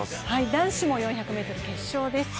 男子も４００ｍ決勝です。